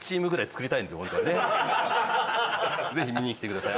ぜひ見に来てください。